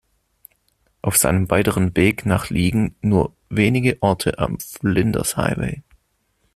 Auf seinem weiteren Weg nach liegen nur wenige Orte am Flinders Highway.